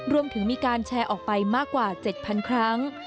รวมถึงมีการแชร์ออกไปมากกว่า๗๐๐ครั้ง